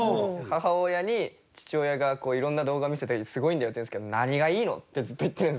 母親に父親がいろんな動画見せて「すごいんだよ」って言うんですけど「何がいいの？」ってずっと言ってるんですよ。